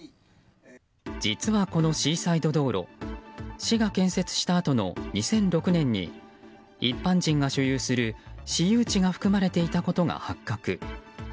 実は、このシーサイド道路市が建設したあとの２００６年に一般人が所有する私有地が含まれていたことが発覚。